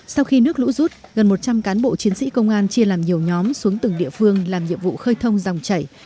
sau khi nước lũ rút gần một trăm linh cán bộ chiến sĩ công an chia làm nhiều nhóm xuống từng địa phương làm nhiệm vụ khơi thông dòng chảy